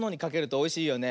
おいしいね。